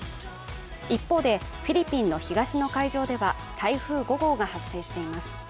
一方で、フィリピンの東の海上では台風５号が発生しています。